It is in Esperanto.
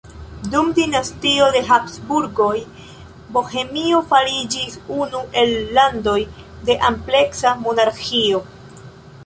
Dum dinastio de Habsburgoj Bohemio fariĝis unu el landoj de ampleksa monarĥio.